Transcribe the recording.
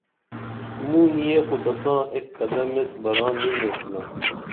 موں نِیہ خو تساں ایک قدم ایس بران نی نیسِنا تا